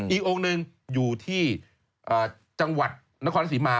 อีกองค์หนึ่งอยู่ที่จังหวัดนครรัฐศรีมา